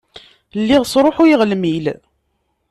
Lliɣ sṛuḥuyeɣ lmil.